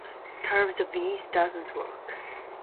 Starve the beast doesn't work.